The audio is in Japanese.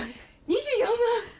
２４万！